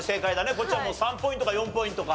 こっちはもう３ポイントか４ポイントか。